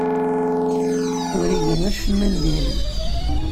Ur igi acemma n diri.